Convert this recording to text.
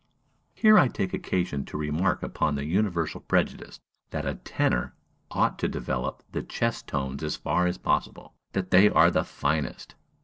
Here I take occasion to remark upon the universal prejudice, that "a tenor ought to develop the chest tones as far as possible, that they are the finest."